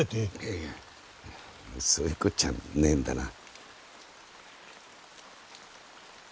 いやいやそういうこっちゃねえんだな。